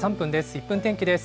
１分天気です。